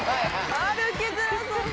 歩きづらそう。